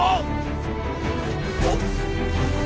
あっ！